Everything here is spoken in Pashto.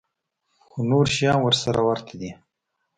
خو نور شيان يې سره ورته دي.